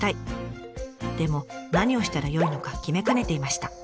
でも何をしたらよいのか決めかねていました。